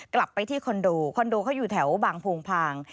กลับไปที่คอนโดคอนโดเขาอยู่แถวบางโพงพาง